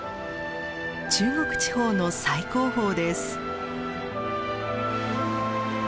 中国地方の最高峰です。